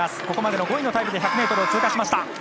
ここまでの５位のタイムで１００ｍを通過しました。